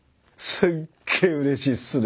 すっげえうれしいっすね。